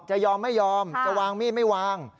จะยอมไม่ยอมจะวางมีดไม่วาง